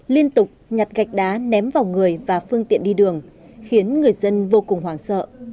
liên tục nhặt gạch đá ném vào người và phương tiện đi đường khiến người dân vô cùng hoảng sợ